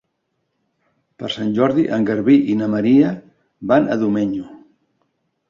Per Sant Jordi en Garbí i na Maria van a Domenyo.